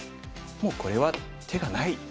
もうこれは手がない。